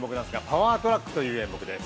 パワートラックという演目です。